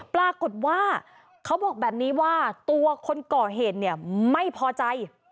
เขาบอกแบบนี้ว่าตัวคนก่อเหตุเนี่ยไม่พอใจ